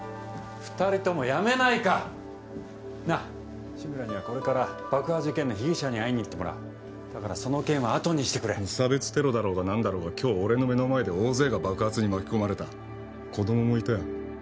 二人ともやめないかなっ志村にはこれから爆破事件の被疑者に会いに行ってもらうだからその件はあとにしてくれ無差別テロだろうが何だろうが今日俺の目の前で大勢が爆発に巻き込まれた子供もいたよ